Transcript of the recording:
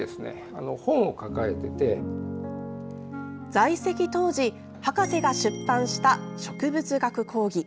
在籍当時博士が出版した「植物学講義」。